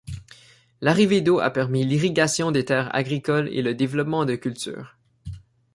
L'arrivée d'eau a permis l'irrigation des terres agricoles et le développement de cultures.